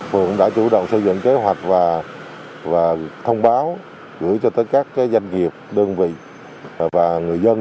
phường cũng đã chủ động xây dựng kế hoạch và thông báo gửi cho tới các doanh nghiệp đơn vị và người dân